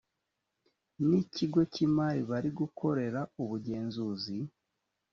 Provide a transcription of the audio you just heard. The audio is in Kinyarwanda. n ikigo cy imari bari gukorera ubugenzuzi